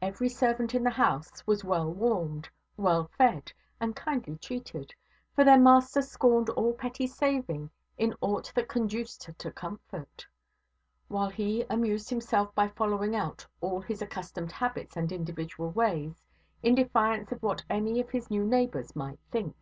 Every servant in the house was well warmed, well fed, and kindly treated; for their master scorned all petty saving in aught that conduced to comfort; while he amused himself by following out all his accustomed habits and individual ways, in defiance of what any of his new neighbours might think.